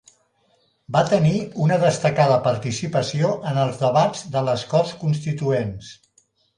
Va tenir una destacada participació en els debats de les Corts constituents.